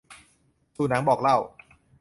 สู่หนังบอกเล่า